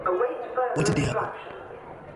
Wetin dey happen?